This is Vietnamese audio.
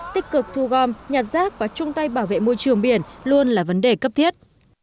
tích cực thu gom nhặt rác và chung tay bảo vệ môi trường biển luôn là vấn đề cấp thiết